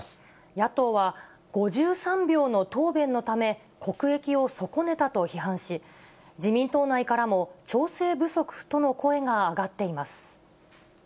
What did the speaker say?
野党は、５３秒の答弁のため、国益を損ねたと批判し、自民党内からも、調整不足との声が上がっています。